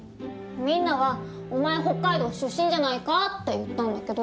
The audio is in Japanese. みんなは「お前北海道出身じゃないか」って言ったんだけど。